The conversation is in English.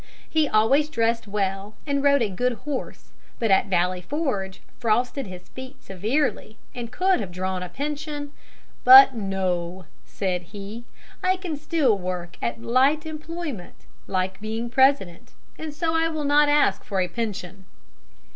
He always dressed well and rode a good horse, but at Valley Forge frosted his feet severely, and could have drawn a pension, "but no," said he, "I can still work at light employment, like being President, and so I will not ask for a pension."